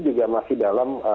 juga masih dalam